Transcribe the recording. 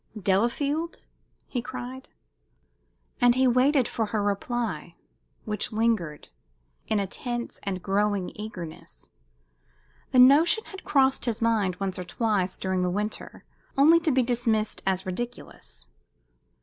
"Delafield?" he cried. And he waited for her reply which lingered in a tense and growing eagerness. The notion had crossed his mind once or twice during the winter, only to be dismissed as ridiculous.